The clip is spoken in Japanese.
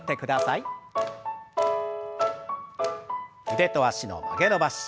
腕と脚の曲げ伸ばし。